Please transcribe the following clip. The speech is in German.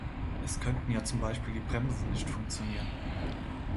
Es könnten ja zum Beispiel die Bremsen nicht funktionieren.